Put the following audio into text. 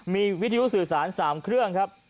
มีวิทยุสื่อสาร๓เครื่องครับ